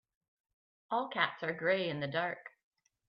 All cats are grey in the dark.